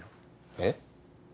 えっ？